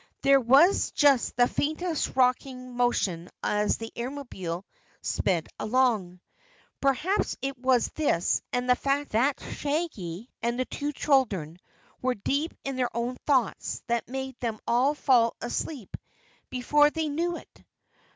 There was just the faintest rocking motion as the Airmobile sped along. Perhaps it was this and the fact that Shaggy and the two children were deep in their own thoughts that made them all fall asleep before they knew it.